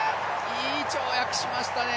いい跳躍しましたね。